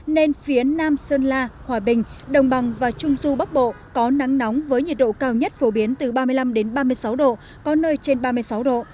nên phía nam sơn la hòa bình đồng bằng và trung du bắc bộ có nắng nóng với nhiệt độ cao nhất phổ biến từ ba mươi năm ba mươi sáu độ có nơi trên ba mươi sáu độ